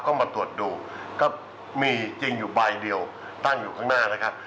ก็มาตรวจดูก็มีจริงอยู่ใบเดียวตั้งอยู่ข้างหน้านะครับ